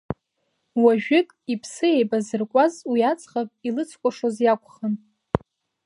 Уажәык иԥсы еибазыркуаз уи аӡӷаб илыцкәашоз иакәхын.